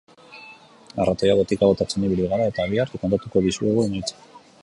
Arratoi botika botatzen ibili gara eta bihar kontatuko dizuegu emaitza.